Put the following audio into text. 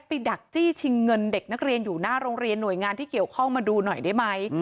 ดักจี้ชิงเงินเด็กนักเรียนอยู่หน้าโรงเรียนหน่วยงานที่เกี่ยวข้องมาดูหน่อยได้ไหม